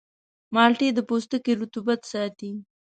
مالټې د پوستکي رطوبت ساتي.